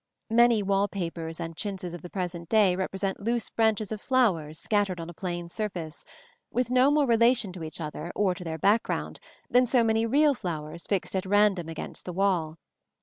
Many wall papers and chintzes of the present day represent loose branches of flowers scattered on a plain surface, with no more relation to each other or to their background than so many real flowers fixed at random against the wall.